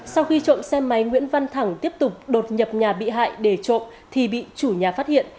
sau khi trộm xe máy nguyễn văn thẳng tiếp tục đột nhập nhà bị hại để trộm thì bị chủ nhà phát hiện